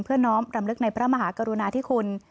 น้อมรำลึกในพระมหากรุณาธิคุณ